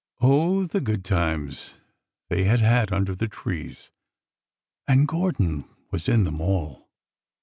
Oh, the good times they had had under the trees ! And Gordon was in them all!